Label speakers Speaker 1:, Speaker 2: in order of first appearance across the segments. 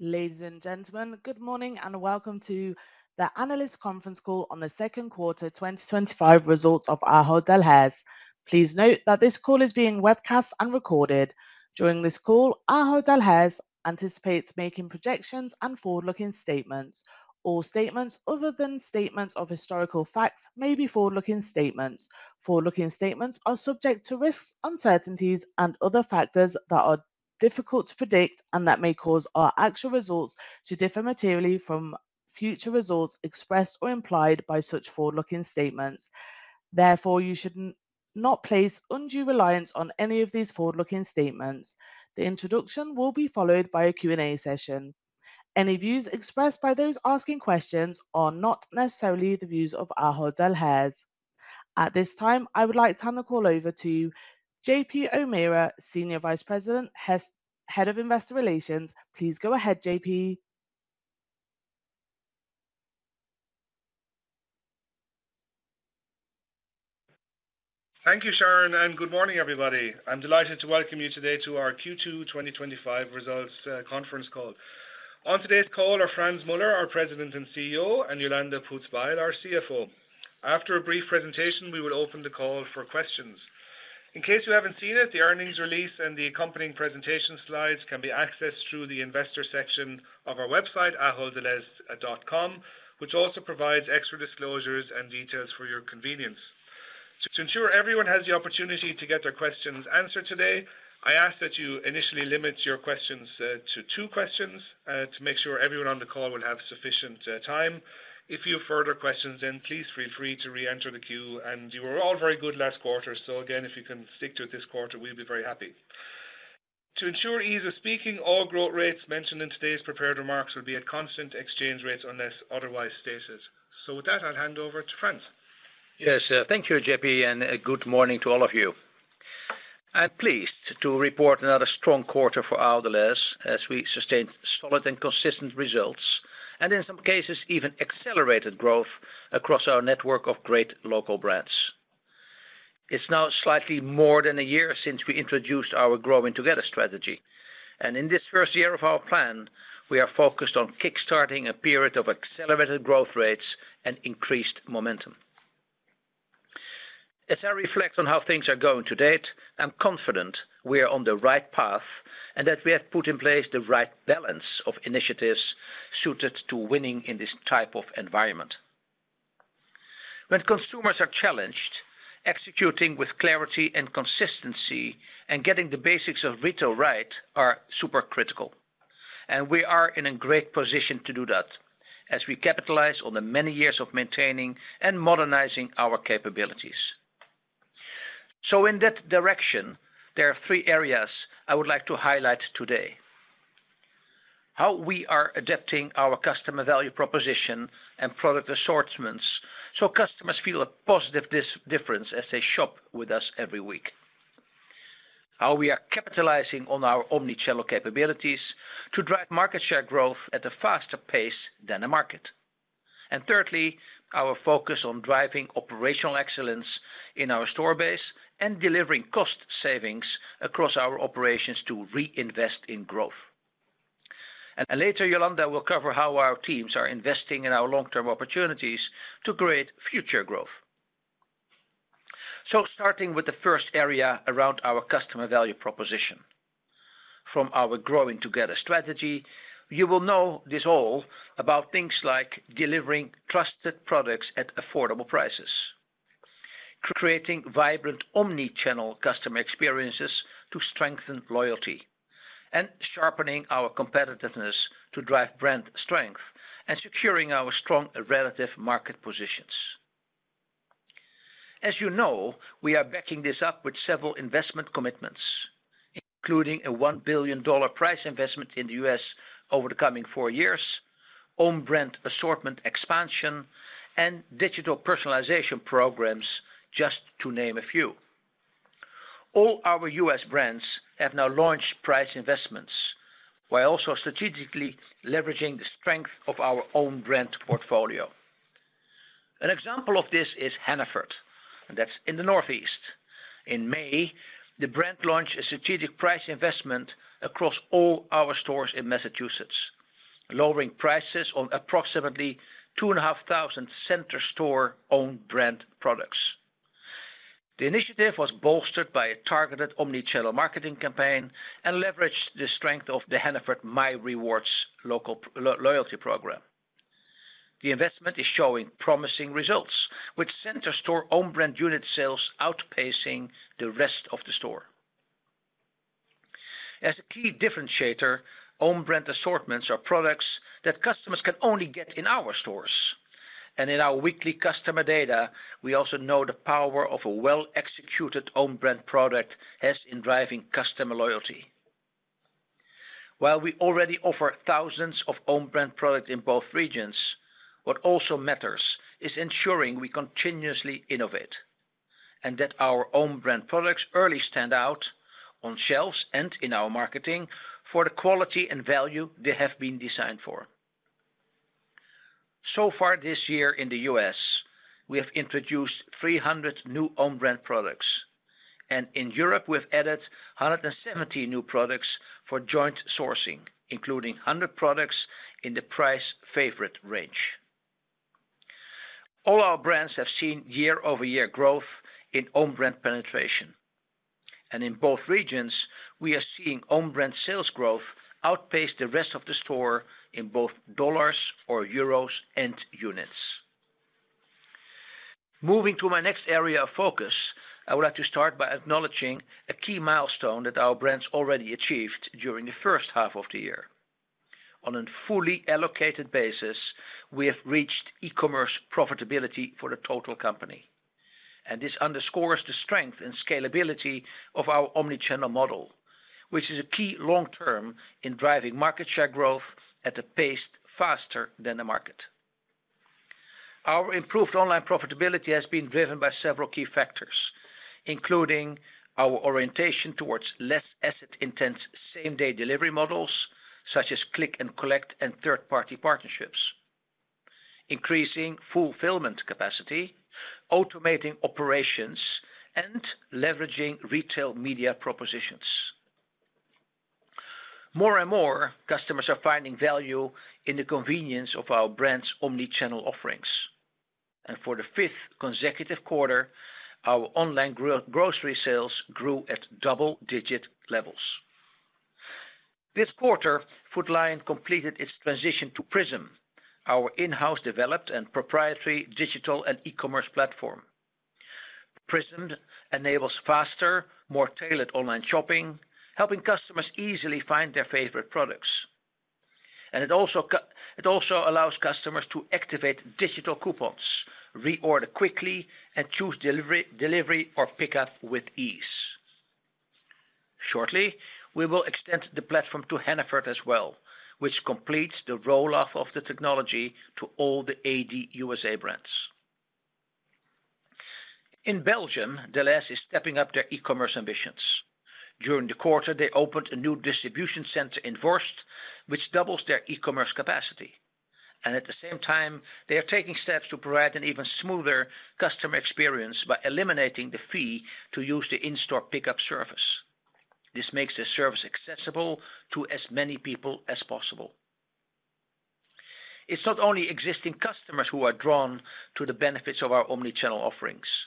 Speaker 1: Ladies and gentlemen, good morning and welcome to the analyst conference call on the second quarter 2025 results of Ahold Delhaize. Please note that this call is being webcast and recorded. During this call, Ahold Delhaize anticipates making projections and forward-looking statements. All statements, other than statements of historical facts, may be forward-looking statements. Forward-looking statements are subject to risks, uncertainties, and other factors that are difficult to predict and that may cause our actual results to differ materially from future results expressed or implied by such forward-looking statements. Therefore, you should not place undue reliance on any of these forward-looking statements. The introduction will be followed by a Q&A session. Any views expressed by those asking questions are not necessarily the views of Ahold Delhaize. At this time, I would like to hand the call over to JP O'Meara, Senior Vice President, Head of Investor Relations. Please go ahead, JP.
Speaker 2: Thank you, Sharon, and good morning, everybody. I'm delighted to welcome you today to our Q2 2025 results conference call. On today's call are Frans Muller, our President and CEO, and Jolanda Poots-Bijl, our CFO. After a brief presentation, we will open the call for questions. In case you haven't seen it, the earnings release and the accompanying presentation slides can be accessed through the investor section of our website, aholddelhaize.com, which also provides extra disclosures and details for your convenience. To ensure everyone has the opportunity to get their questions answered today, I ask that you initially limit your questions to two questions to make sure everyone on the call will have sufficient time. If you have further questions, then please feel free to re-enter the queue. You were all very good last quarter, so again, if you can stick to it this quarter, we'll be very happy. To ensure ease of speaking, all growth rates mentioned in today's prepared remarks will be at constant exchange rates unless otherwise stated. With that, I'll hand over to Frans.
Speaker 3: Yes, thank you, JP, and good morning to all of you. I'm pleased to report another strong quarter for Ahold Delhaize as we sustained solid and consistent results, and in some cases, even accelerated growth across our network of great local brands. It's now slightly more than a year since we introduced our Growing Together strategy, and in this first year of our plan, we are focused on kickstarting a period of accelerated growth rates and increased momentum. As I reflect on how things are going to date, I'm confident we are on the right path and that we have put in place the right balance of initiatives suited to winning in this type of environment. When consumers are challenged, executing with clarity and consistency and getting the basics of retail right are super critical, and we are in a great position to do that as we capitalize on the many years of maintaining and modernizing our capabilities. In that direction, there are three areas I would like to highlight today: how we are adapting our customer value proposition and product assortments so customers feel a positive difference as they shop with us every week; how we are capitalizing on our omnichannel capabilities to drive market share growth at a faster pace than the market; and thirdly, our focus on driving operational excellence in our store base and delivering cost savings across our operations to reinvest in growth. Later, Jolanda will cover how our teams are investing in our long-term opportunities to create future growth. Starting with the first area around our customer value proposition. From our Growing Together strategy, you will know this is all about things like delivering trusted products at affordable prices, creating vibrant omnichannel customer experiences to strengthen loyalty, and sharpening our competitiveness to drive brand strength and securing our strong relative market positions. You know, we are backing this up with several investment commitments, including a $1 billion price investment in the U.S. over the coming four years, own-brand assortment expansion, and digital personalization programs, just to name a few. All our U.S. brands have now launched price investments while also strategically leveraging the strength of our own brand portfolio. An example of this is Hannaford, and that's in the Northeast. In May, the brand launched a strategic price investment across all our stores in Massachusetts, lowering prices on approximately 2,500 Centre Store own-brand products. The initiative was bolstered by a targeted omnichannel marketing campaign and leveraged the strength of the Hannaford My Rewards local loyalty program. The investment is showing promising results, with Centre Store own-brand unit sales outpacing the rest of the store. As a key differentiator, own-brand assortments are products that customers can only get in our stores. In our weekly customer data, we also know the power of a well-executed own-brand product in driving customer loyalty. While we already offer thousands of own-brand products in both regions, what also matters is ensuring we continuously innovate and that our own-brand products really stand out on shelves and in our marketing for the quality and value they have been designed for. So far this year in the U.S., we have introduced 300 new own-brand products, and in Europe, we've added 170 new products for joint sourcing, including 100 products in the price favorite range. All our brands have seen year-over-year growth in own-brand penetration, and in both regions, we are seeing own-brand sales growth outpace the rest of the store in both dollars or euros and units. Moving to my next area of focus, I would like to start by acknowledging a key milestone that our brands already achieved during the first half of the year. On a fully allocated basis, we have reached e-commerce profitability for the total company, and this underscores the strength and scalability of our omnichannel model, which is a key long term in driving market share growth at a pace faster than the market. Our improved online profitability has been driven by several key factors, including our orientation towards less asset-intense same-day delivery models, such as click-and-collect and third-party partnerships, increasing fulfillment capacity, automating operations, and leveraging retail media propositions. More and more, customers are finding value in the convenience of our brands' omnichannel offerings. For the fifth consecutive quarter, our online grocery sales grew at double-digit levels. This quarter, Food Lion completed its transition to PRISM, our in-house developed and proprietary digital and e-commerce platform. PRISM enables faster, more tailored online shopping, helping customers easily find their favorite products. It also allows customers to activate digital coupons, reorder quickly, and choose delivery or pickup with ease. Shortly, we will extend the platform to Hannaford as well, which completes the rollout of the technology to all the ADUSA brands. In Belgium, Delhaize is stepping up their e-commerce ambitions. During the quarter, they opened a new distribution center in Vorst, which doubles their e-commerce capacity. At the same time, they are taking steps to provide an even smoother customer experience by eliminating the fee to use the in-store pickup service. This makes the service accessible to as many people as possible. It's not only existing customers who are drawn to the benefits of our omnichannel offerings.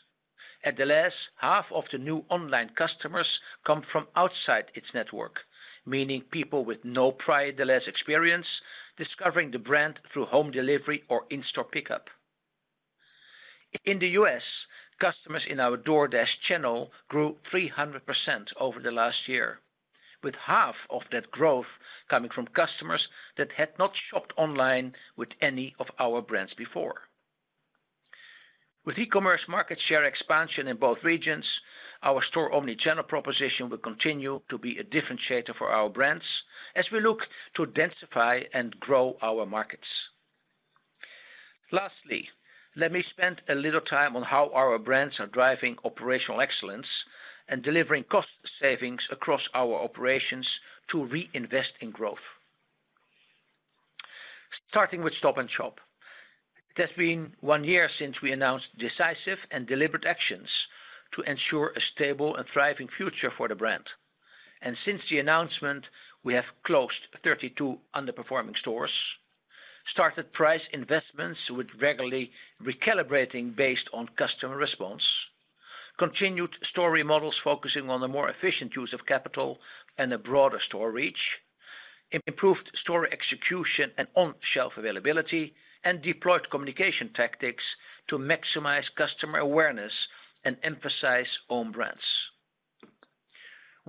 Speaker 3: At Delhaize, half of the new online customers come from outside its network, meaning people with no prior Delhaize experience discovering the brand through home delivery or in-store pickup. In the U.S., customers in our DoorDash channel grew 300% over the last year, with half of that growth coming from customers that had not shopped online with any of our brands before. With e-commerce market share expansion in both regions, our store omnichannel proposition will continue to be a differentiator for our brands as we look to densify and grow our markets. Lastly, let me spend a little time on how our brands are driving operational excellence and delivering cost savings across our operations to reinvest in growth. Starting with Stop & Shop, it has been one year since we announced decisive and deliberate actions to ensure a stable and thriving future for the brand. Since the announcement, we have closed 32 underperforming stores, started price investments with regularly recalibrating based on customer response, continued store remodels focusing on the more efficient use of capital and a broader store reach, improved store execution and on-shelf availability, and deployed communication tactics to maximize customer awareness and emphasize own brands.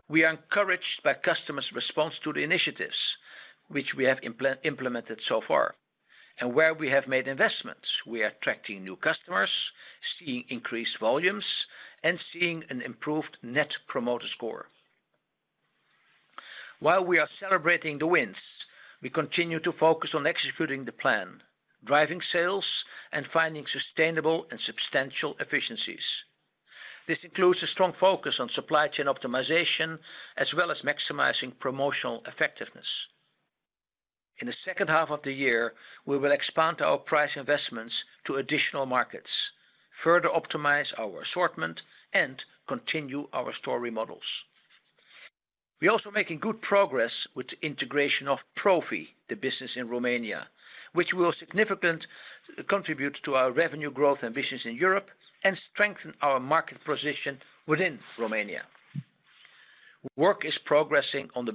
Speaker 3: We are encouraged by customers' response to the initiatives which we have implemented so far, and where we have made investments, we are attracting new customers, seeing increased volumes, and seeing an improved net promoter score. While we are celebrating the wins, we continue to focus on executing the plan, driving sales, and finding sustainable and substantial efficiencies. This includes a strong focus on supply chain optimization, as well as maximizing promotional effectiveness. In the second half of the year, we will expand our price investments to additional markets, further optimize our assortment, and continue our store remodels. We are also making good progress with the integration of Profi, the business in Romania, which will significantly contribute to our revenue growth ambitions in Europe and strengthen our market position within Romania. Work is progressing on the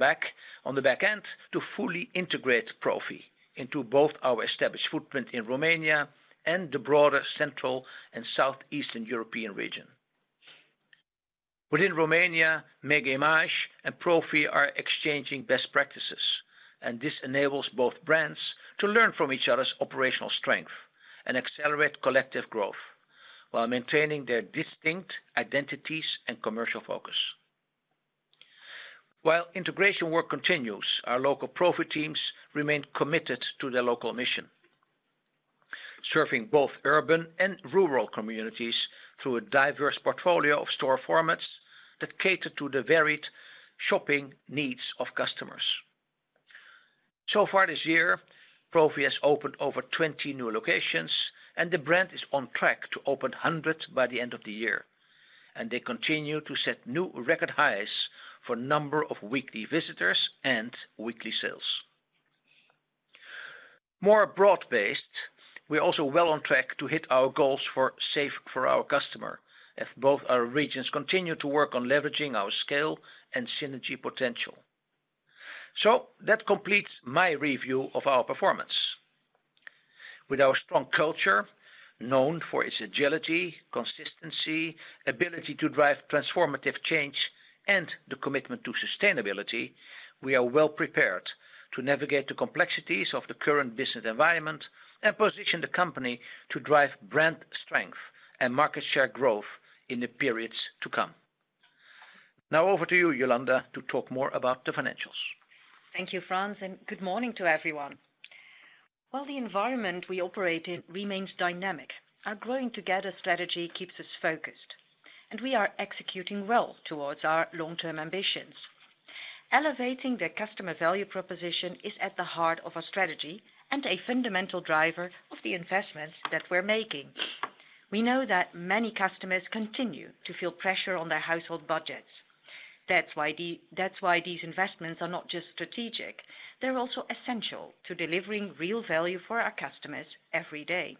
Speaker 3: back end to fully integrate Profi into both our established footprint in Romania and the broader Central and Southeastern European region. Within Romania, Mega Image and Profi are exchanging best practices, and this enables both brands to learn from each other's operational strength and accelerate collective growth while maintaining their distinct identities and commercial focus. While integration work continues, our local Profi teams remain committed to their local mission, serving both urban and rural communities through a diverse portfolio of store formats that cater to the varied shopping needs of customers. So far this year, Profi has opened over 20 new locations, and the brand is on track to open 100 by the end of the year, and they continue to set new record highs for the number of weekly visitors and weekly sales. More broad-based, we are also well on track to hit our goals for Safe for Our Customer as both our regions continue to work on leveraging our scale and synergy potential. That completes my review of our performance. With our strong culture, known for its agility, consistency, ability to drive transformative change, and the commitment to sustainability, we are well prepared to navigate the complexities of the current business environment and position the company to drive brand strength and market share growth in the periods to come. Now over to you, Jolanda, to talk more about the financials.
Speaker 4: Thank you, Frans, and good morning to everyone. While the environment we operate in remains dynamic, our Growing Together strategy keeps us focused, and we are executing well towards our long-term ambitions. Elevating the customer value proposition is at the heart of our strategy and a fundamental driver of the investments that we're making. We know that many customers continue to feel pressure on their household budgets. That's why these investments are not just strategic; they're also essential to delivering real value for our customers every day.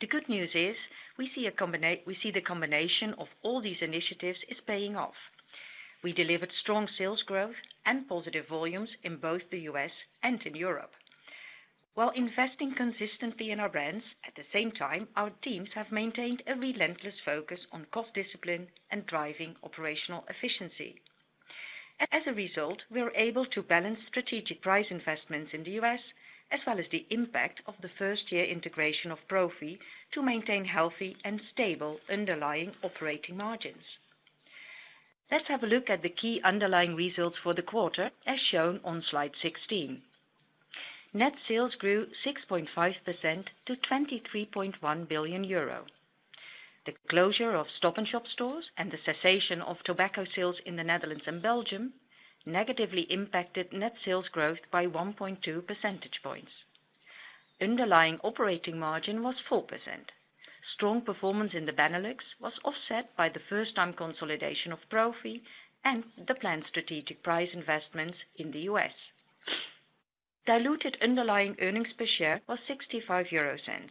Speaker 4: The good news is we see the combination of all these initiatives is paying off. We delivered strong sales growth and positive volumes in both the U.S. and in Europe. While investing consistently in our brands, at the same time, our teams have maintained a relentless focus on cost discipline and driving operational efficiency. As a result, we're able to balance strategic price investments in the U.S. as well as the impact of the first-year integration of Profi to maintain healthy and stable underlying operating margins. Let's have a look at the key underlying results for the quarter, as shown on slide 16. Net sales grew 6.5% to 23.1 billion euro. The closure of Stop & Shop stores and the cessation of tobacco sales in the Netherlands and Belgium negatively impacted net sales growth by 1.2 percentage points. The underlying operating margin was 4%. Strong performance in the Benelux was offset by the first-time consolidation of Profi and the planned strategic price investments in the U.S. Diluted underlying earnings per share was 0.65,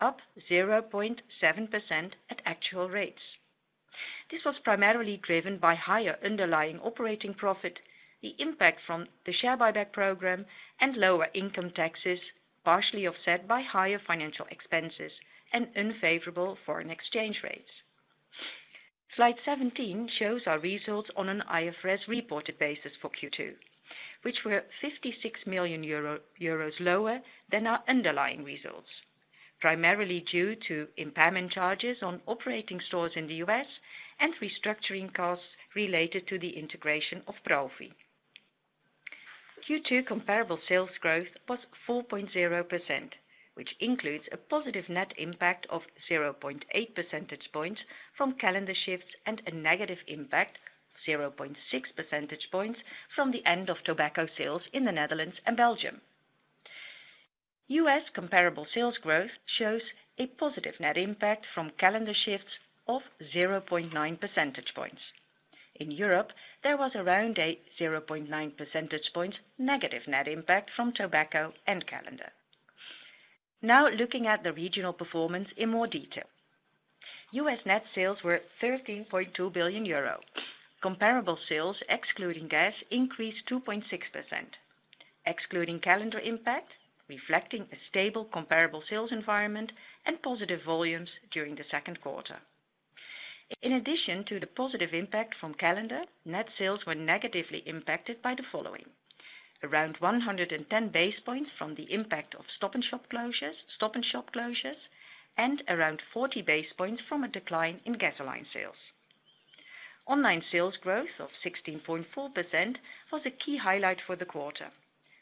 Speaker 4: up 0.7% at actual rates. This was primarily driven by higher underlying operating profit, the impact from the share buyback program, and lower income taxes, partially offset by higher financial expenses and unfavorable foreign exchange rates. Slide 17 shows our results on an IFRS-reported basis for Q2, which were 56 million euro lower than our underlying results, primarily due to impairment charges on operating stores in the U.S. and restructuring costs related to the integration of Profi. Q2 comparable sales growth was 4.0%, which includes a positive net impact of 0.8 percentage points from calendar shifts and a negative impact of 0.6 percentage points from the end of tobacco sales in the Netherlands and Belgium. U.S. comparable sales growth shows a positive net impact from calendar shifts of 0.9 percentage points. In Europe, there was around a 0.9 percentage point negative net impact from tobacco and calendar. Now looking at the regional performance in more detail. U.S. net sales were 13.2 billion euro. Comparable sales, excluding gas, increased 2.6%, excluding calendar impact, reflecting a stable comparable sales environment and positive volumes during the second quarter. In addition to the positive impact from calendar, net sales were negatively impacted by the following: around 110 basis points from the impact of Stop & Shop closures, and around 40 basis points from a decline in gasoline sales. Online sales growth of 16.4% was a key highlight for the quarter.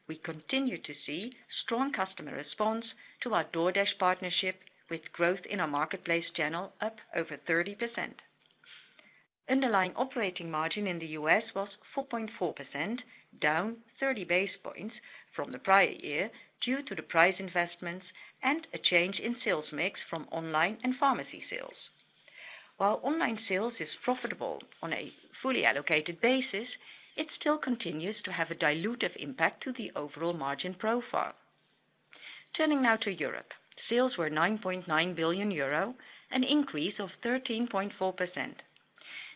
Speaker 4: We continue to see strong customer response to our DoorDash partnership, with growth in our marketplace channel up over 30%. Underlying operating margin in the U.S. was 4.4%, down 30 basis points from the prior year due to the price investments and a change in sales mix from online and pharmacy sales. While online sales is profitable on a fully allocated basis, it still continues to have a diluted impact to the overall margin profile. Turning now to Europe, sales were 9.9 billion euro, an increase of 13.4%.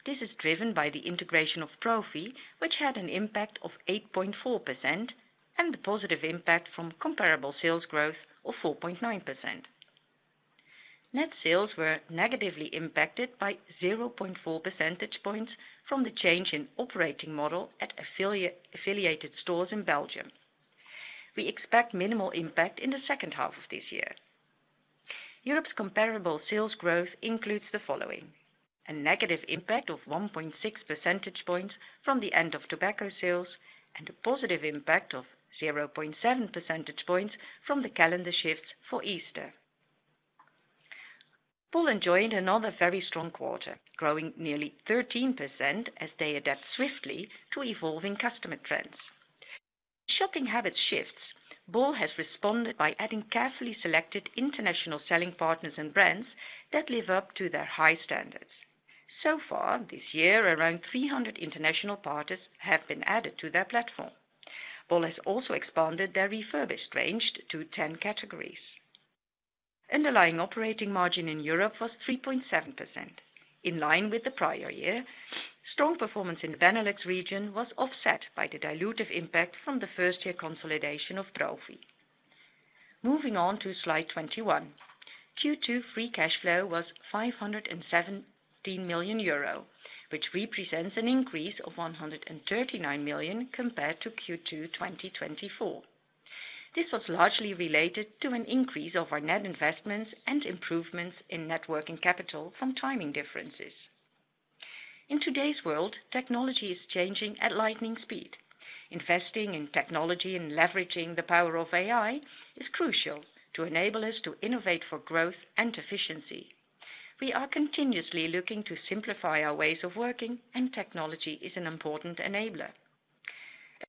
Speaker 4: This is driven by the integration of Profi, which had an impact of 8.4%, and the positive impact from comparable sales growth of 4.9%. Net sales were negatively impacted by 0.4 percentage points from the change in operating model at affiliated stores in Belgium. We expect minimal impact in the second half of this year. Europe's comparable sales growth includes the following: a negative impact of 1.6 percentage points from the end of tobacco sales and a positive impact of 0.7 percentage points from the calendar shifts for Easter. Bol enjoyed another very strong quarter, growing nearly 13% as they adapt swiftly to evolving customer trends. As shopping habits shift, bol has responded by adding carefully selected international selling partners and brands that live up to their high standards. So far this year, around 300 international partners have been added to their platform. Bol has also expanded their refurbished range to 10 categories. Underlying operating margin in Europe was 3.7%, in line with the prior year. Strong performance in the Benelux region was offset by the diluted impact from the first-year consolidation of Profi. Moving on to slide 21, Q2 free cash flow was 517 million euro, which represents an increase of 139 million compared to Q2 2024. This was largely related to an increase of our net investments and improvements in networking capital from timing differences. In today's world, technology is changing at lightning speed. Investing in technology and leveraging the power of AI is crucial to enable us to innovate for growth and efficiency. We are continuously looking to simplify our ways of working, and technology is an important enabler.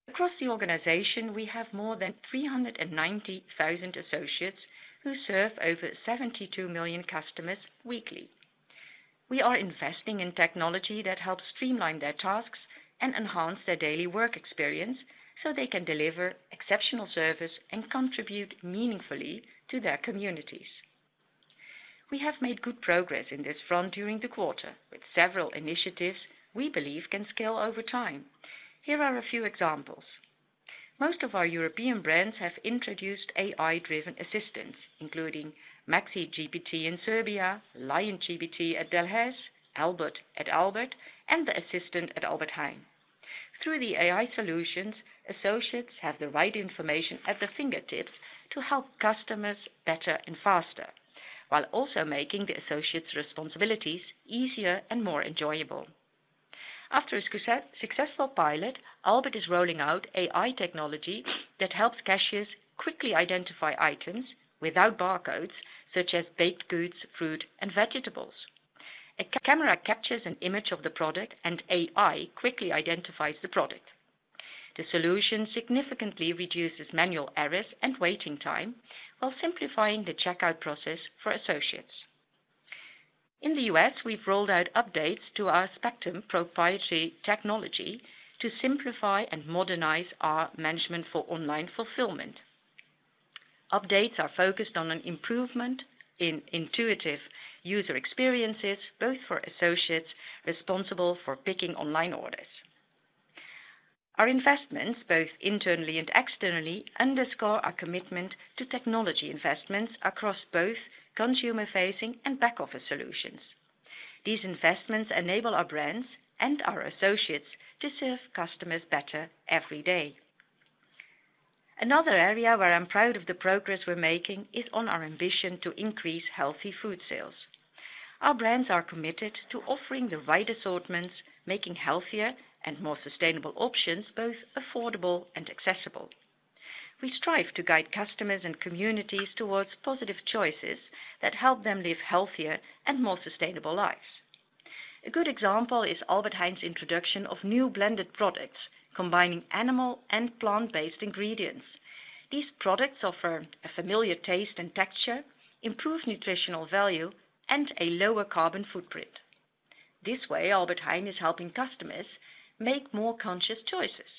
Speaker 4: Across the organization, we have more than 390,000 associates who serve over 72 million customers weekly. We are investing in technology that helps streamline their tasks and enhance their daily work experience so they can deliver exceptional service and contribute meaningfully to their communities. We have made good progress in this front during the quarter with several initiatives we believe can scale over time. Here are a few examples. Most of our European brands have introduced AI-driven assistants, including MaxiGPT in Serbia, LionGPT at Delhaize, Albert at Albert, and the assistant at Albert Heijn. Through the AI solutions, associates have the right information at their fingertips to help customers better and faster, while also making the associate's responsibilities easier and more enjoyable. After a successful pilot, Albert is rolling out AI technology that helps cashier quickly identify items without barcodes, such as baked goods, fruit, and vegetables. A camera captures an image of the product, and AI quickly identifies the product. The solution significantly reduces manual errors and waiting time while simplifying the checkout process for associates. In the U.S., we've rolled out updates to our Spectrum proprietary technology to simplify and modernize our management for online fulfillment. Updates are focused on an improvement in intuitive user experiences, both for associates responsible for picking online orders. Our investments, both internally and externally, underscore our commitment to technology investments across both consumer-facing and back-office solutions. These investments enable our brands and our associates to serve customers better every day. Another area where I'm proud of the progress we're making is on our ambition to increase healthy food sales. Our brands are committed to offering the right assortments, making healthier and more sustainable options both affordable and accessible. We strive to guide customers and communities towards positive choices that help them live healthier and more sustainable lives. A good example is Albert Heijn's introduction of new blended products, combining animal and plant-based ingredients. These products offer a familiar taste and texture, improve nutritional value, and a lower carbon footprint. This way, Albert Heijn is helping customers make more conscious choices.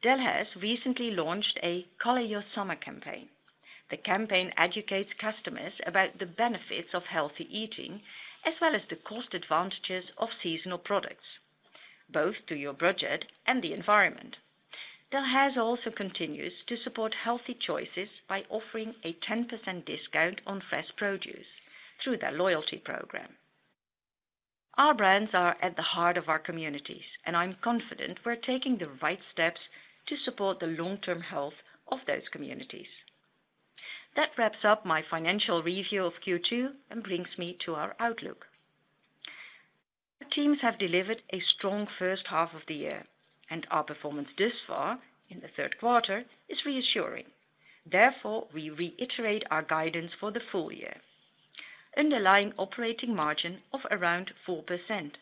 Speaker 4: Delhaize recently launched a Color Your Summer campaign. The campaign educates customers about the benefits of healthy eating, as well as the cost advantages of seasonal products, both to your budget and the environment. Delhaize also continues to support healthy choices by offering a 10% discount on fresh produce through their loyalty scheme. Our brands are at the heart of our communities, and I'm confident we're taking the right steps to support the long-term health of those communities. That wraps up my financial review of Q2 and brings me to our outlook. Our teams have delivered a strong first half of the year, and our performance thus far in the third quarter is reassuring. Therefore, we reiterate our guidance for the full year: underlying operating margin of around 4%,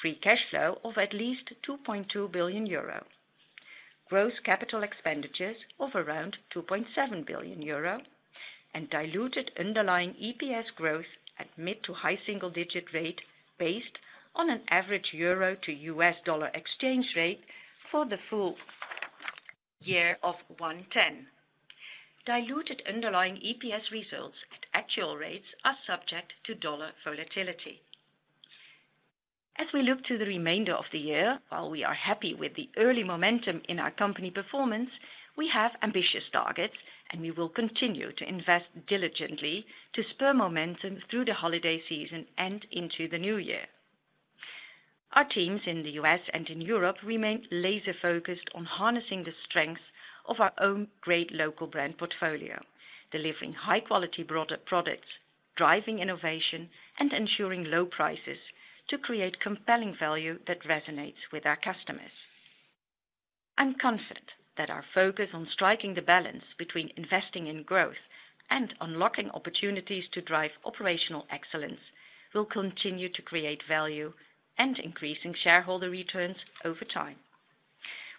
Speaker 4: free cash flow of at least 2.2 billion euro, gross capital expenditures of around 2.7 billion euro, and diluted underlying EPS growth at mid to high single-digit rate based on an average euro to U.S. dollar exchange rate for the full year of 1.10. Diluted underlying EPS results at actual rates are subject to dollar volatility. As we look to the remainder of the year, while we are happy with the early momentum in our company performance, we have ambitious targets, and we will continue to invest diligently to spur momentum through the holiday season and into the new year. Our teams in the U.S. and in Europe remain laser-focused on harnessing the strengths of our own great local brand portfolio, delivering high-quality broader products, driving innovation, and ensuring low prices to create compelling value that resonates with our customers. I'm confident that our focus on striking the balance between investing in growth and unlocking opportunities to drive operational excellence will continue to create value and increase shareholder returns over time.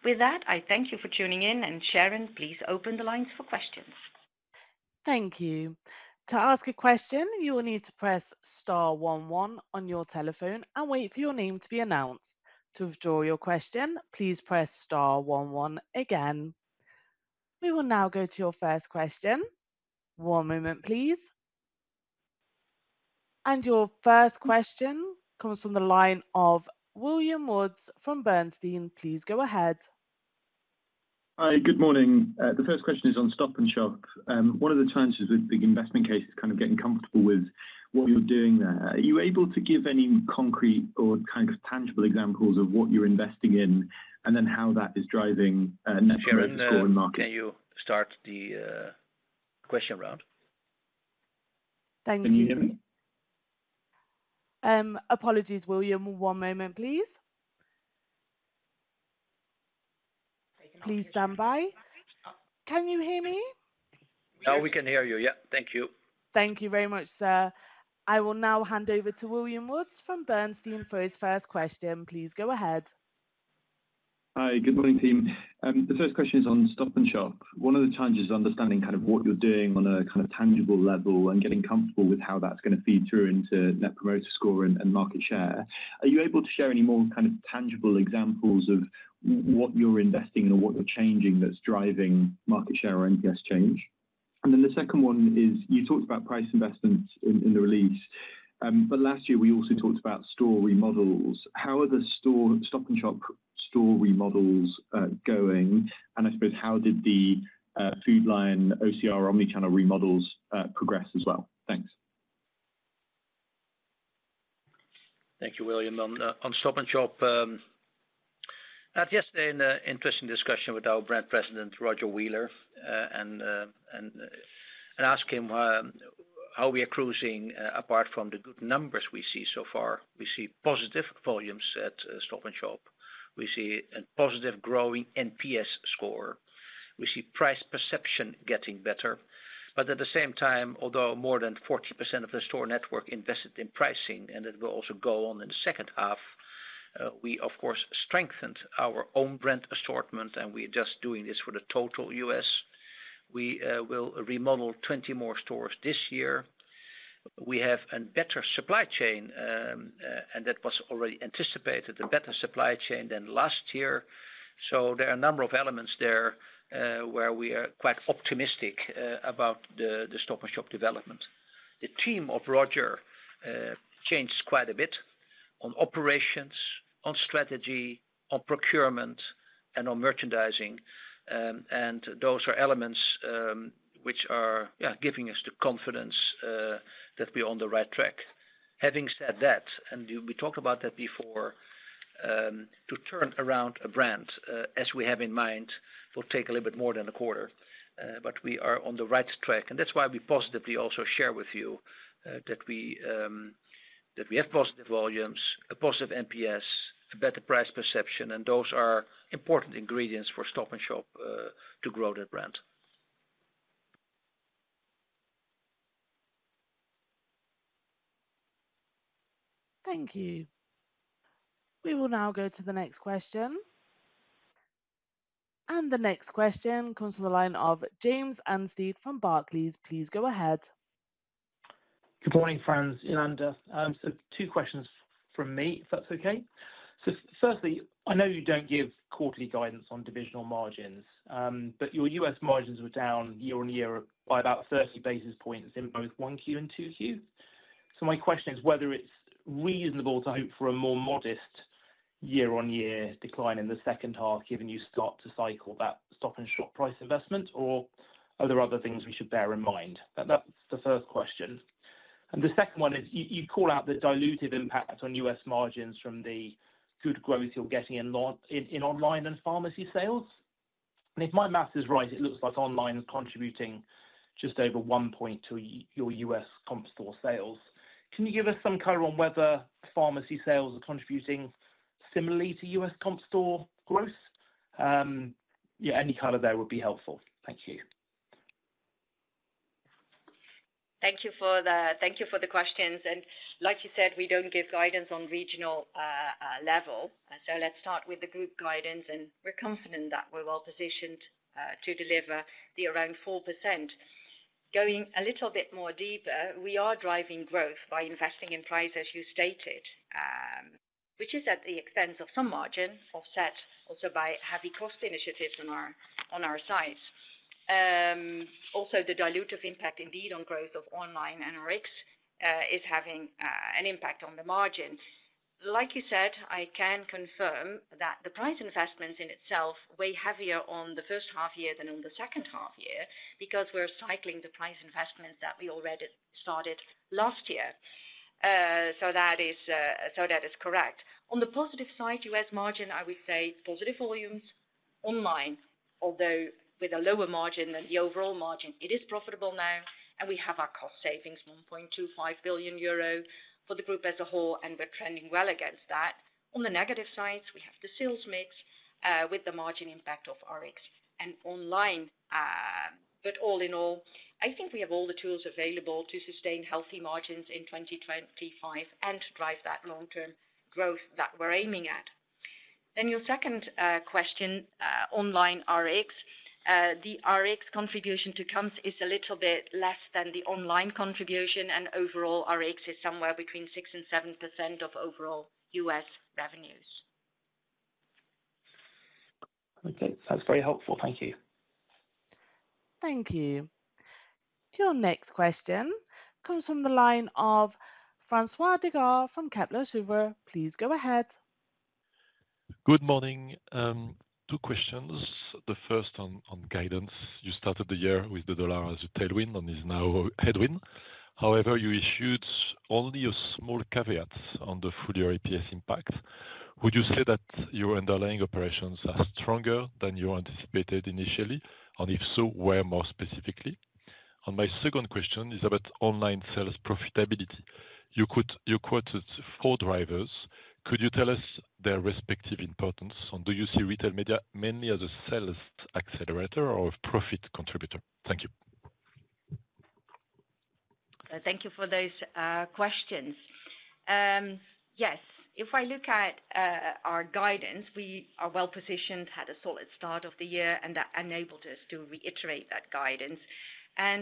Speaker 4: With that, I thank you for tuning in, and Sharon, please open the lines for questions.
Speaker 1: Thank you. To ask a question, you will need to press star one one on your telephone and wait for your name to be announced. To withdraw your question, please press star one one again. We will now go to your first question. One moment, please. Your first question comes from the line of William Woods from Bernstein. Please go ahead.
Speaker 5: Hi, good morning. The first question is on Stop & Shop. One of the challenges with big investment cases is kind of getting comfortable with what you're doing there. Are you able to give any concrete or kind of tangible examples of what you're investing in, and then how that is driving net share and score in the market?
Speaker 3: Can you start the question round?
Speaker 1: Thank you.
Speaker 5: Can you hear me?
Speaker 1: Apologies, William. One moment, please. Please stand by. Can you hear me?
Speaker 3: Now we can hear you. Thank you.
Speaker 1: Thank you very much, sir. I will now hand over to William Woods from Bernstein for his first question. Please go ahead.
Speaker 5: Hi, good morning, team. The first question is on Stop & Shop. One of the challenges is understanding kind of what you're doing on a kind of tangible level and getting comfortable with how that's going to feed through into net promoter score and market share. Are you able to share any more kind of tangible examples of what you're investing in or what you're changing that's driving market share or NPS change? The second one is you talked about price investments in the release, but last year we also talked about store remodels. How are the Stop & Shop store remodels going? I suppose, how did the Food Lion OCR omnichannel remodels progress as well? Thanks.
Speaker 3: Thank you, William. On Stop & Shop, I had yesterday an interesting discussion with our Brand President, Roger Wheeler, and asked him how we are cruising. Apart from the good numbers we see so far, we see positive volumes at Stop & Shop. We see a positive growing NPS score. We see price perception getting better. At the same time, although more than 40% of the store network invested in pricing, and it will also go on in the second half, we, of course, strengthened our own-brand assortment, and we are just doing this for the total U.S. We will remodel 20 more stores this year. We have a better supply chain, and that was already anticipated, a better supply chain than last year. There are a number of elements there where we are quite optimistic about the Stop & Shop development. The team of Roger changed quite a bit on operations, on strategy, on procurement, and on merchandising. Those are elements which are giving us the confidence that we are on the right track. Having said that, and we talked about that before, to turn around a brand as we have in mind will take a little bit more than a quarter, but we are on the right track. That's why we positively also share with you that we have positive volumes, a positive NPS, a better price perception, and those are important ingredients for Stop & Shop to grow that brand.
Speaker 1: Thank you. We will now go to the next question. The next question comes from the line of James Anstead from Barclays. Please go ahead.
Speaker 6: Good morning, Frans, Jolanda. Two questions from me, if that's okay. Firstly, I know you don't give quarterly guidance on divisional margins, but your U.S. margins were down year-on-year by about 30 basis points in both 1Q and 2Q. My question is whether it's reasonable to hope for a more modest year-on-year decline in the second half, given you start to cycle that Stop & Shop price investment, or are there other things we should bear in mind? That's the first question. The second one is you call out the diluted impact on U.S. margins from the good growth you're getting in online and pharmacy sales. If my math is right, it looks like online is contributing just over one point to your U.S. comp store sales. Can you give us some color on whether pharmacy sales are contributing similarly to U.S. comp store growth? Any color there would be helpful. Thank you.
Speaker 4: Thank you for the questions. Like you said, we don't give guidance on a regional level. Let's start with the group guidance, and we're confident that we're well positioned to deliver the around 4%. Going a little bit more deeper, we are driving growth by investing in price, as you stated, which is at the expense of some margin offset also by heavy cost initiatives on our sides. Also, the diluted impact indeed on growth of online and IFRS is having an impact on the margin. Like you said, I can confirm that the price investments in itself weigh heavier on the first half year than on the second half year because we're cycling the price investments that we already started last year. That is correct. On the positive side, U.S. margin, I would say positive volumes online, although with a lower margin than the overall margin, it is profitable now, and we have our cost savings 1.25 billion euro for the group as a whole, and we're trending well against that. On the negative sides, we have the sales mix with the margin impact of IFRS and online. All in all, I think we have all the tools available to sustain healthy margins in 2025 and to drive that long-term growth that we're aiming at. Your second question, online IFRS. The IFRS contribution to comps is a little bit less than the online contribution, and overall IFRS is somewhere between 6% and 7% of overall U.S. revenues.
Speaker 6: Okay, that's very helpful. Thank you.
Speaker 1: Thank you. Your next question comes from the line of François Digard from Kepler Cheuvreux. Please go ahead.
Speaker 7: Good morning. Two questions. The first on guidance. You started the year with the dollar as a tailwind and it is now a headwind. However, you issued only a small caveat on the full-year EPS impact. Would you say that your underlying operations are stronger than you anticipated initially? If so, where more specifically? My second question is about online sales profitability. You quoted four drivers. Could you tell us their respective importance? Do you see retail media mainly as a sales accelerator or a profit contributor? Thank you.
Speaker 4: Thank you for those questions. Yes, if I look at our guidance, we are well positioned, had a solid start of the year, and that enabled us to reiterate that guidance.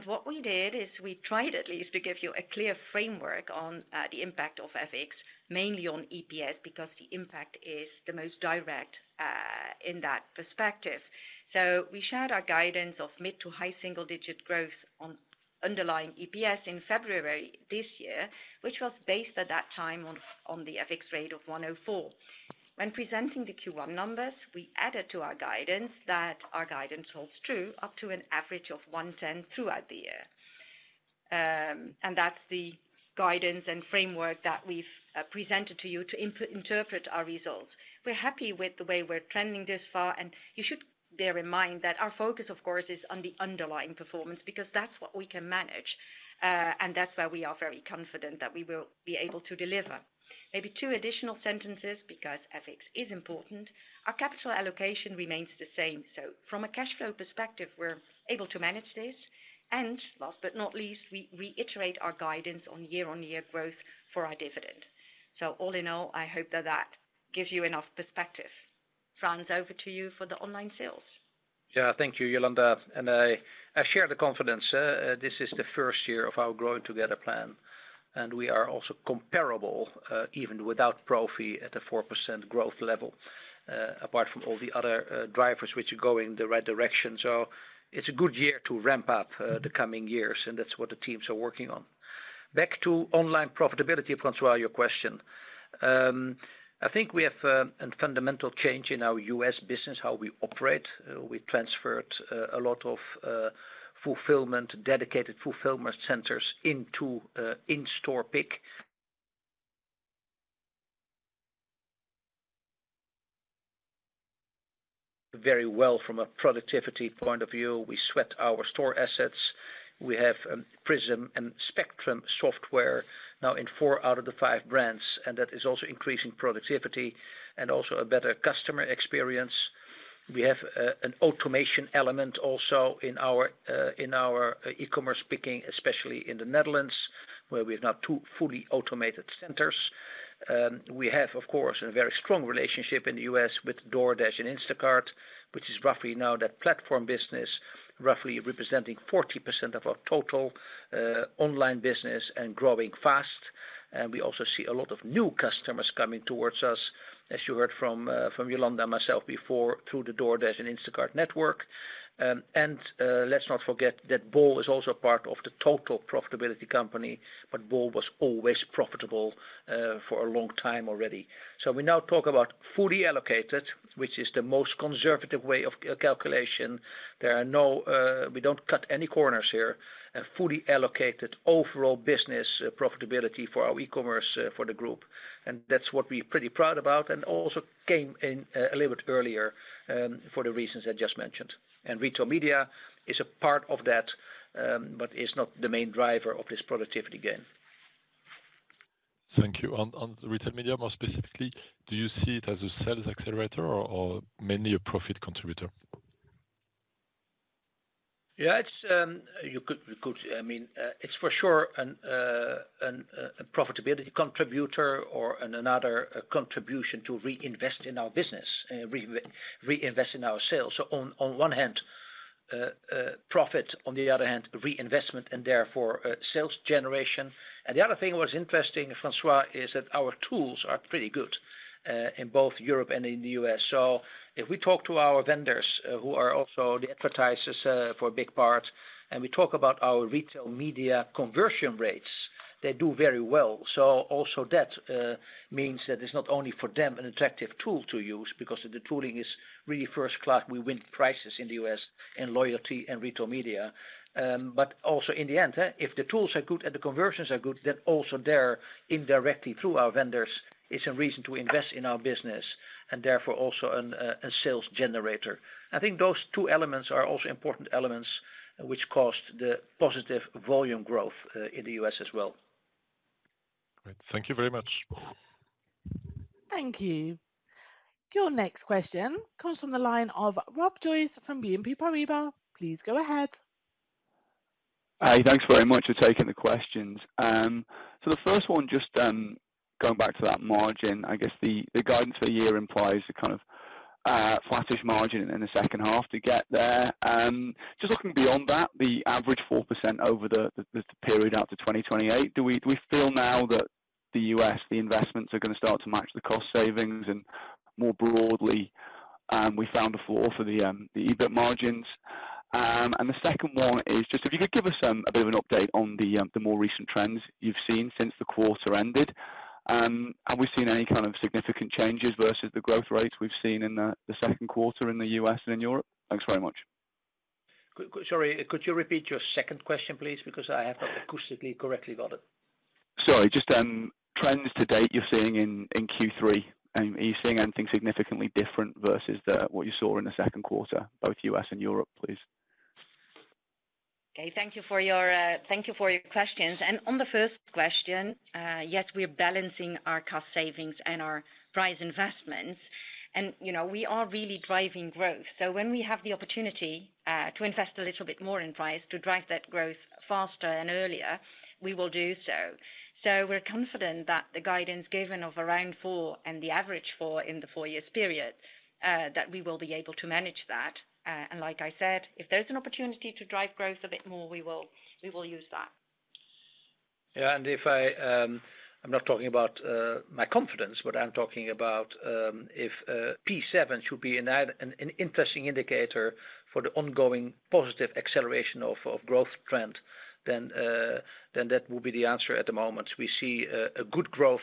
Speaker 4: What we did is we tried at least to give you a clear framework on the impact of FX, mainly on EPS, because the impact is the most direct in that perspective. We shared our guidance of mid to high single-digit growth on underlying EPS in February this year, which was based at that time on the FX rate of 1.04. When presenting the Q1 numbers, we added to our guidance that our guidance holds true up to an average of 1.10 throughout the year. That's the guidance and framework that we've presented to you to interpret our results. We're happy with the way we're trending this far, and you should bear in mind that our focus, of course, is on the underlying performance because that's what we can manage, and that's where we are very confident that we will be able to deliver. Maybe two additional sentences because FX is important. Our capital allocation remains the same. From a cash flow perspective, we're able to manage this. Last but not least, we reiterate our guidance on year-on-year growth for our dividend. All in all, I hope that that gives you enough perspective. Frans, over to you for the online sales.
Speaker 3: Yeah, thank you, Jolanda. I share the confidence. This is the first year of our Growing Together plan, and we are also comparable, even without Profi, at a 4% growth level, apart from all the other drivers which are going in the right direction. It's a good year to ramp up the coming years, and that's what the teams are working on. Back to online profitability, François, your question. I think we have a fundamental change in our U.S. business, how we operate. We transferred a lot of fulfillment, dedicated fulfillment centers into in-store pick. Very well from a productivity point of view. We sweat our store assets. We have Prism and Spectrum software now in four out of the five brands, and that is also increasing productivity and also a better customer experience. We have an automation element also in our e-commerce picking, especially in the Netherlands, where we have now two fully automated centers. We have, of course, a very strong relationship in the U.S. with DoorDash and Instacart, which is roughly now that platform business, roughly representing 40% of our total online business and growing fast. We also see a lot of new customers coming towards us, as you heard from Jolanda and myself before, through the DoorDash and Instacart network. Let's not forget that bol.com is also part of the total profitability company, but bol.com was always profitable for a long time already. We now talk about fully allocated, which is the most conservative way of calculation. We don't cut any corners here, fully allocated overall business profitability for our e-commerce for the group. That's what we are pretty proud about and also came in a little bit earlier for the reasons I just mentioned. Retail media is a part of that, but it's not the main driver of this productivity gain.
Speaker 7: Thank you. On retail media, more specifically, do you see it as a sales accelerator or mainly a profit contributor?
Speaker 3: Yeah, it's, you could, I mean, it's for sure a profitability contributor or another contribution to reinvest in our business, reinvest in our sales. On one hand, profit, on the other hand, reinvestment and therefore sales generation. The other thing was interesting, François, is that our tools are pretty good in both Europe and in the U.S. If we talk to our vendors, who are also the advertisers for a big part, and we talk about our retail media conversion rates, they do very well. That means that it's not only for them an attractive tool to use because the tooling is really first-class. We win prizes in the U.S. in loyalty and retail media. If the tools are good and the conversions are good, then also there indirectly through our vendors is a reason to invest in our business and therefore also a sales generator. I think those two elements are also important elements which caused the positive volume growth in the U.S. as well.
Speaker 7: Great. Thank you very much.
Speaker 1: Thank you. Your next question comes from the line of Rob Joyce from BNP Paribas. Please go ahead.
Speaker 8: Hi, thanks very much for taking the questions. The first one, just going back to that margin, I guess the guidance for the year implies a kind of flattish margin in the second half to get there. Just looking beyond that, the average 4% over the period up to 2028, do we feel now that the U.S., the investments are going to start to match the cost savings and more broadly, we found a floor for the EBIT margins? The second one is just if you could give us a bit of an update on the more recent trends you've seen since the quarter ended. Have we seen any kind of significant changes versus the growth rates we've seen in the second quarter in the U.S. and in Europe? Thanks very much.
Speaker 3: Sorry, could you repeat your second question, please? I have not acoustically correctly got it.
Speaker 8: Sorry, just trends to date you're seeing in Q3. Are you seeing anything significantly different versus what you saw in the second quarter, both U.S. and Europe, please?
Speaker 4: Thank you for your questions. On the first question, yes, we are balancing our cost savings and our price investments. You know we are really driving growth. When we have the opportunity to invest a little bit more in price to drive that growth faster and earlier, we will do so. We're confident that the guidance given of around 4 and the average 4 in the four-year period, that we will be able to manage that. Like I said, if there's an opportunity to drive growth a bit more, we will use that.
Speaker 3: Yeah, if I'm not talking about my confidence, but I'm talking about if P7 should be an interesting indicator for the ongoing positive acceleration of growth trend, that will be the answer at the moment. We see a good growth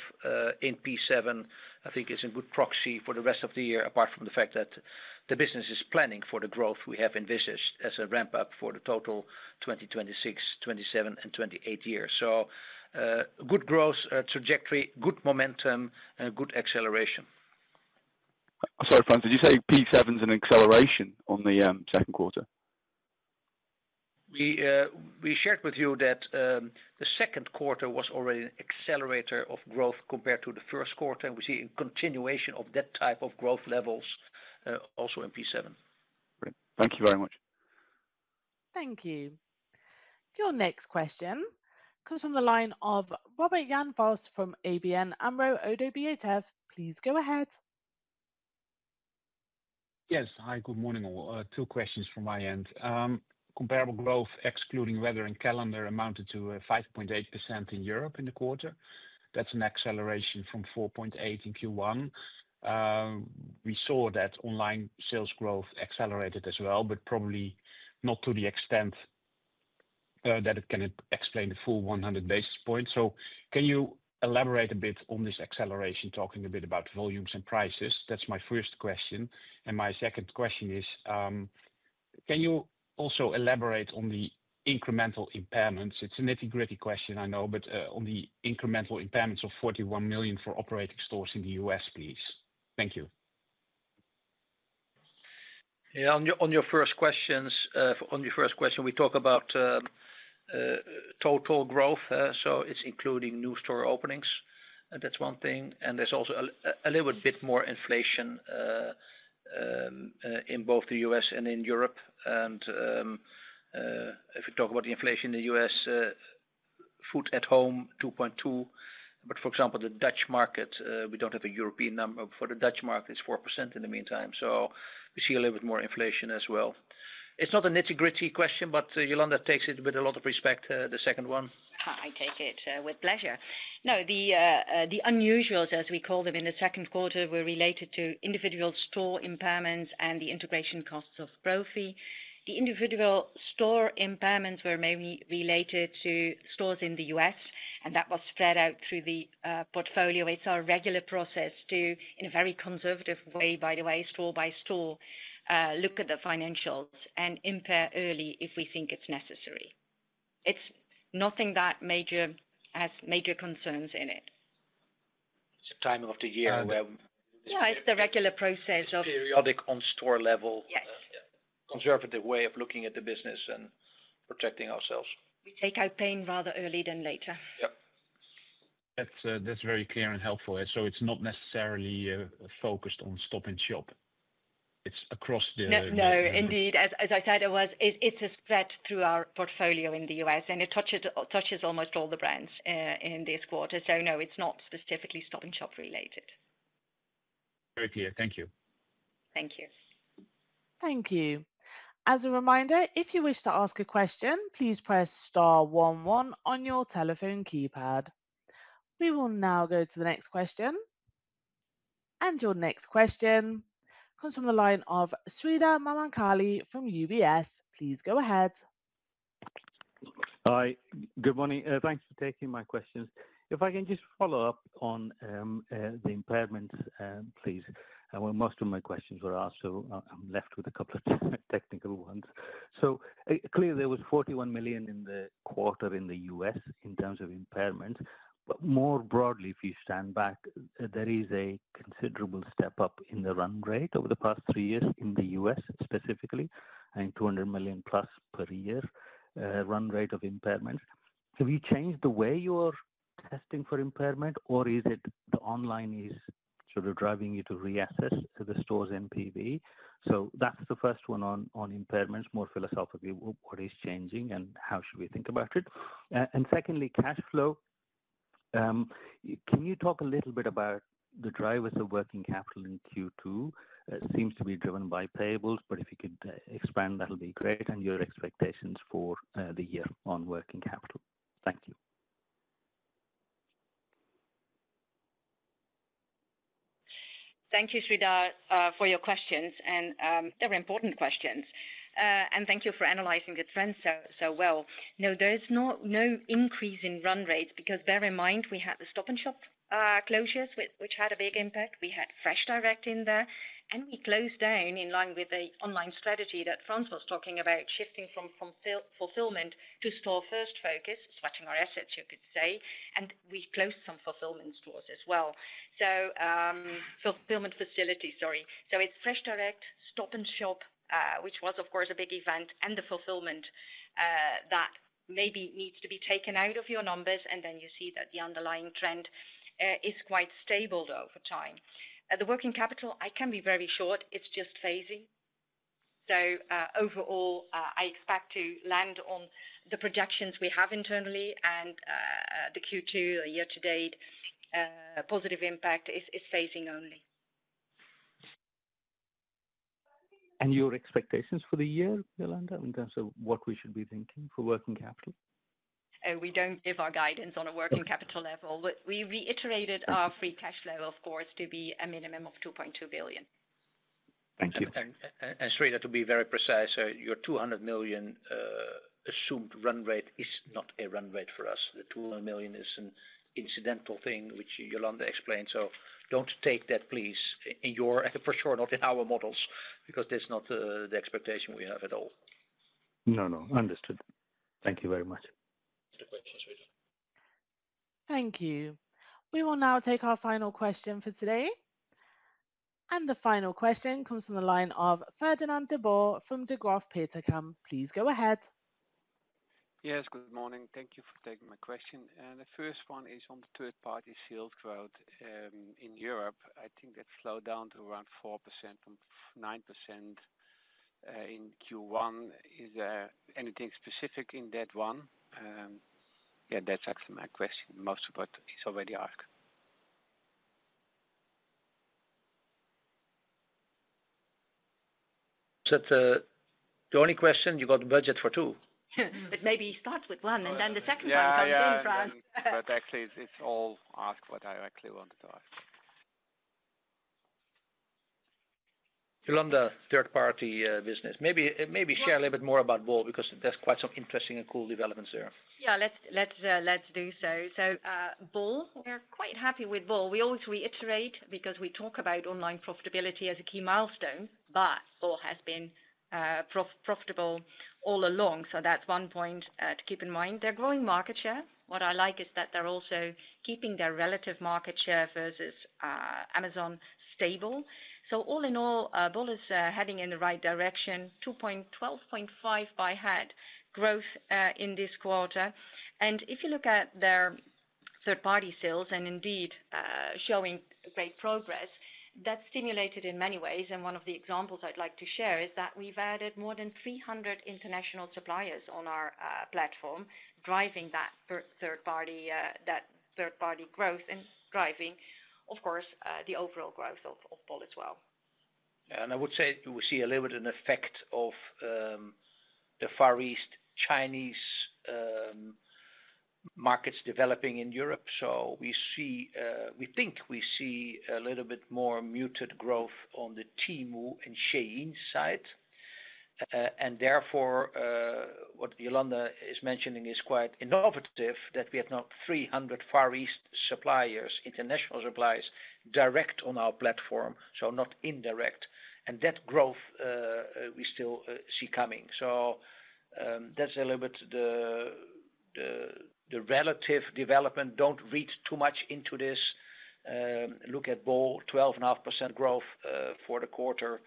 Speaker 3: in P7. I think it's a good proxy for the rest of the year, apart from the fact that the business is planning for the growth we have envisaged as a ramp-up for the total 2026, 2027, and 2028 years. Good growth trajectory, good momentum, and a good acceleration.
Speaker 8: Sorry, Frans, did you say P7 is an acceleration on the second quarter?
Speaker 3: We shared with you that the second quarter was already an accelerator of growth compared to the first quarter, and we see a continuation of that type of growth levels also in P7.
Speaker 8: Great. Thank you very much.
Speaker 1: Thank you. Your next question comes from the line of Robert Jan Vos from ABN AMRO ODDO BHF. Please go ahead.
Speaker 9: Yes, hi, good morning. Two questions from my end. Comparable growth, excluding weather and calendar, amounted to 5.8% in Europe in the quarter. That's an acceleration from 4.8% in Q1. We saw that online sales growth accelerated as well, but probably not to the extent that it can explain the full 100 basis points. Can you elaborate a bit on this acceleration, talking a bit about volumes and prices? That's my first question. My second question is, can you also elaborate on the incremental impairments? It's a nitty-gritty question, I know, but on the incremental impairments of $41 million for operating stores in the U.S., please. Thank you.
Speaker 3: Yeah. On your first question, we talk about total growth. It's including new store openings. That's one thing. There's also a little bit more inflation in both the U.S. and in Europe. If you talk about the inflation in the U.S., food at home, 2.2%. For example, the Dutch market, we don't have a European number, but for the Dutch market, it's 4% in the meantime. We see a little bit more inflation as well. It's not a nitty-gritty question, but Jolanda takes it with a lot of respect, the second one.
Speaker 4: I take it with pleasure. No, the unusuals, as we call them, in the second quarter were related to individual store impairments and the integration costs of Profi. The individual store impairments were mainly related to stores in the U.S., and that was spread out through the portfolio. It's our regular process to, in a very conservative way, by the way, store by store, look at the financials and impair early if we think it's necessary. It's nothing that has major concerns in it.
Speaker 3: It's a time of the year where.
Speaker 4: Yeah, it's the regular process.
Speaker 3: Periodic on store level.
Speaker 4: Yes.
Speaker 3: Conservative way of looking at the business and protecting ourselves.
Speaker 4: We take our pain rather early than later.
Speaker 9: Yeah, that's very clear and helpful. It's not necessarily focused on Stop & Shop. It's across the.
Speaker 4: No, indeed. As I said, it's a spread through our portfolio in the U.S., and it touches almost all the brands in this quarter. No, it's not specifically Stop & Shop related.
Speaker 9: Very clear. Thank you.
Speaker 4: Thank you.
Speaker 1: Thank you. As a reminder, if you wish to ask a question, please press star one one on your telephone keypad. We will now go to the next question. Your next question comes from the line of Sreedhar Mahamkali from UBS. Please go ahead.
Speaker 10: Hi, good morning. Thanks for taking my questions. If I can just follow up on the impairments, please, where most of my questions were asked, so I'm left with a couple of technical ones. Clearly, there was $41 million in the quarter in the U.S. in terms of impairments. More broadly, if you stand back, there is a considerable step up in the run rate over the past three years in the U.S. specifically, and $200 million+ per year run rate of impairments. Have you changed the way you're testing for impairment, or is it the online is sort of driving you to reassess the store's NPV? That's the first one on impairments, more philosophically, what is changing and how should we think about it? Secondly, cash flow. Can you talk a little bit about the drivers of working capital in Q2? It seems to be driven by payables, but if you could expand, that'll be great. Your expectations for the year on working capital. Thank you.
Speaker 4: Thank you, Sreedhar, for your questions, and they're important questions. Thank you for analyzing the trends so well. No, there's no increase in run rates because bear in mind, we had the Stop & Shop closures, which had a big impact. We had FreshDirect in there, and we closed down in line with the online strategy that Frans was talking about, shifting from fulfillment to store-first focus, switching our assets, you could say. We closed some fulfillment facilities as well. It's FreshDirect, Stop & Shop, which was, of course, a big event, and the fulfillment that maybe needs to be taken out of your numbers. You see that the underlying trend is quite stable though for time. The working capital, I can be very short. It's just phasing. Overall, I expect to land on the projections we have internally, and the Q2 year to date, positive impact is phasing only.
Speaker 3: Your expectations for the year, Jolanda, in terms of what we should be thinking for working capital?
Speaker 4: We don't give our guidance on a working capital level. We reiterated our free cash flow, of course, to be a minimum of $2.2 billion.
Speaker 3: Thank you. Sreedhar, to be very precise, your $200 million assumed run rate is not a run rate for us. The $200 million is an incidental thing, which Jolanda explained. Please do not take that in our models because that's not the expectation we have at all.
Speaker 10: No, understood. Thank you very much.
Speaker 1: Thank you. We will now take our final question for today. The final question comes from the line of Fernand de Boer from Degroof Petercam. Please go ahead.
Speaker 11: Yes, good morning. Thank you for taking my question. The first one is on the third-party sales growth in Europe. I think that's slowed down to around 4% from 9% in Q1. Is there anything specific in that one? That's actually my question. Most of it is already asked.
Speaker 3: Is that the only question? You've got a budget for two.
Speaker 4: It starts with one, and then the second one is upcoming, Frans.
Speaker 11: It's all asked what I actually wanted to ask.
Speaker 3: Jolanda, third-party business. Maybe share a little bit more about bol because there's quite some interesting and cool developments there.
Speaker 4: Yeah, let's do so. bol, we're quite happy with bol. We always reiterate because we talk about online profitability as a key milestone, but bol has been profitable all along. That's one point to keep in mind. They're growing market share. What I like is that they're also keeping their relative market share versus Amazon stable. All in all, bol is heading in the right direction, 12.5% by head growth in this quarter. If you look at their third-party sales, indeed showing great progress, that's stimulated in many ways. One of the examples I'd like to share is that we've added more than 300 international suppliers on our platform, driving that third-party growth and driving, of course, the overall growth of bol as well.
Speaker 3: Yeah, and I would say you will see a little bit of an effect of the Far East Chinese markets developing in Europe. We think we see a little bit more muted growth on the Temu and Shein side. Therefore, what Jolanda is mentioning is quite innovative that we have now 300 Far East suppliers, international suppliers direct on our platform, so not indirect. That growth we still see coming. That's a little bit the relative development. Don't read too much into this. Look at bol, 12.5% growth for the quarter,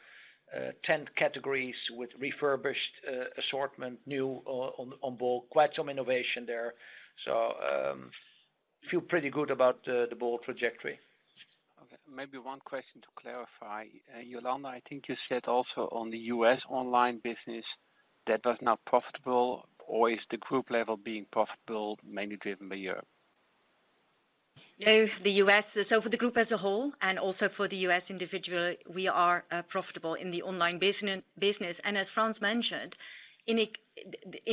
Speaker 3: 10 categories with refurbished assortment new on bol. Quite some innovation there. I feel pretty good about the bol trajectory.
Speaker 11: Okay, maybe one question to clarify. Jolanda, I think you said also on the U.S. online business, that was not profitable, or is the group level being profitable mainly driven by Europe?
Speaker 4: No, the U.S. For the group as a whole and also for the U.S. individual, we are profitable in the online business. As Frans mentioned, on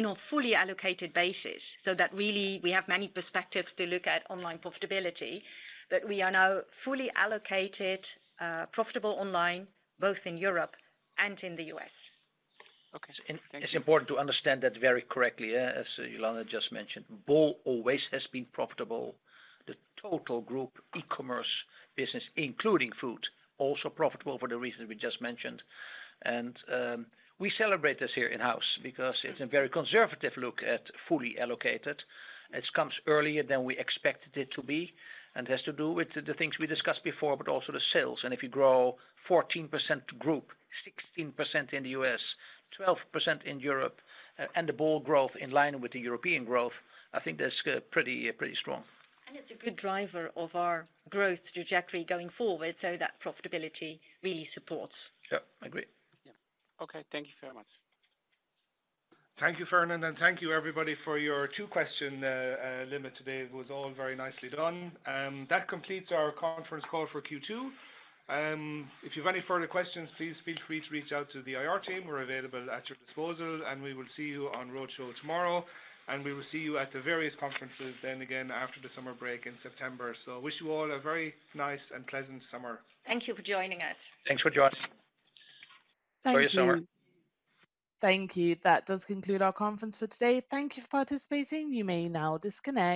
Speaker 4: a fully allocated basis, we have many perspectives to look at online profitability, but we are now fully allocated profitable online both in Europe and in the U.S.
Speaker 3: Okay, so it's important to understand that very correctly, as Jolanda just mentioned. bol always has been profitable. The total group e-commerce business, including fruit, also profitable for the reasons we just mentioned. We celebrate this here in-house because it's a very conservative look at fully allocated. It comes earlier than we expected it to be, and it has to do with the things we discussed before, but also the sales. If you grow 14% group, 16% in the U.S., 12% in Europe, and the bol.com growth in line with the European growth, I think that's pretty strong.
Speaker 4: It's a good driver of our growth trajectory going forward, so that profitability really supports.
Speaker 3: Yeah, I agree.
Speaker 11: Okay, thank you very much.
Speaker 2: Thank you, Fernand, and thank you, everybody, for your two-question limit today. It was all very nicely done. That completes our conference call for Q2. If you have any further questions, please feel free to reach out to the IR team. We're available at your disposal, and we will see you on Roadshow tomorrow, and we will see you at the various conferences then again after the summer break in September. I wish you all a very nice and pleasant summer.
Speaker 4: Thank you for joining us.
Speaker 3: Thanks for joining us.
Speaker 1: Thank you.
Speaker 2: Have a great summer.
Speaker 1: Thank you. That does conclude our conference for today. Thank you for participating. You may now disconnect.